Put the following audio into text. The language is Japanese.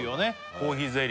コーヒーゼリー